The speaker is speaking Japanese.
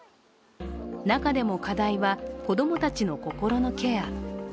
中でも課題は子供たちの心のケア。